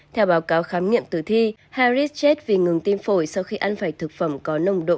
theo báo cáo khám nghiệm tử thi harris chết vì ngừng tim phổi sau khi ăn phải thực phẩm có nồng độ